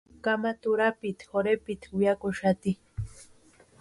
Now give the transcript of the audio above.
Kamata urapiti jorhepitku weakuxati.